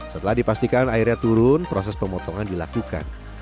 setelah dipastikan airnya turun proses pemotongan dilakukan